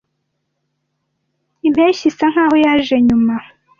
Impeshyi isa nkaho yaje nyuma.